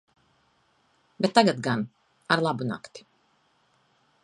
Bet tagad gan - ar labu nakti...